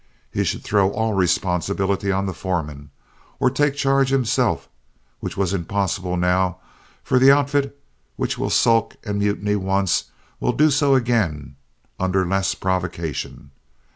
He should throw all responsibility on the foreman, or take charge himself, which was impossible now; for an outfit which will sulk and mutiny once will do so again under less provocation.